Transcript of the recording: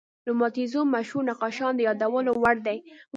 د رومانتیزم مشهور نقاشان د یادولو وړ دي.